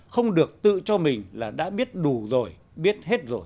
không được tự cho mình là đã biết đủ rồi biết hết rồi